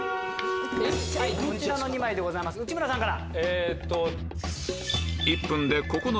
こちらの２枚です内村さんから。